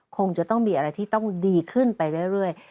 คงจะต้องมีอะไรที่ต้องดีขึ้นไปเรื่อย